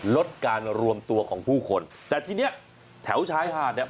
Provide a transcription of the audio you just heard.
ลดการรวมตัวของผู้คนแต่ทีเนี้ยแถวชายหาดเนี่ย